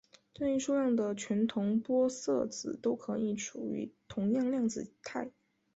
任意数量的全同玻色子都可以处于同样量子态。